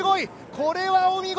これはお見事！